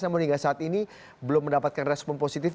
namun hingga saat ini belum mendapatkan respon positif